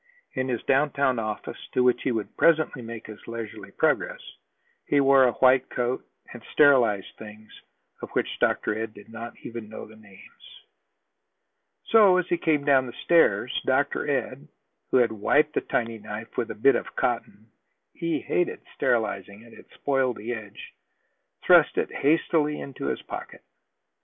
In his downtown office, to which he would presently make his leisurely progress, he wore a white coat, and sterilized things of which Dr. Ed did not even know the names. So, as he came down the stairs, Dr. Ed, who had wiped his tiny knife with a bit of cotton, he hated sterilizing it; it spoiled the edge, thrust it hastily into his pocket.